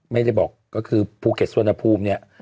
ไม่ได้บอกก็คือภูเก็ตสวนภูมิเนี่ย